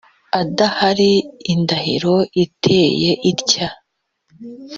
adahari indahiro iteye itya